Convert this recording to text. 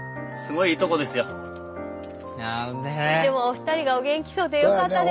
２人がお元気そうでよかったです。